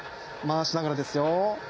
回しながらですよ。